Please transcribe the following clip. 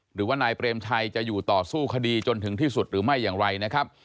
หรือว่านายเปรมชัยจะอยู่ต่อสู้คดีจนถึงที่สุดหรือไม่อย่างไรนะครับ